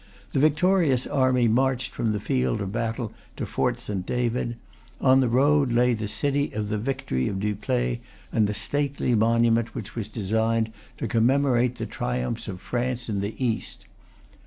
The victorious army marched from the field of battle to Fort St. David. On the road lay the City of the Victory of Dupleix, and the stately monument which was designed to commemorate the triumphs of France in the East.